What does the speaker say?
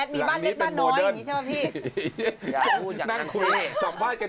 มีบ้านเล็กบ้านน้อยอย่างนี้ใช่ไหมพี่